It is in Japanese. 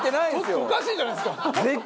おかしいじゃないですか。